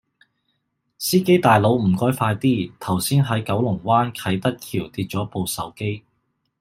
司機大佬唔該快啲，頭先喺九龍灣啟德橋跌左部手機